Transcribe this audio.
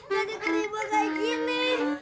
jadi kering banget kayak gini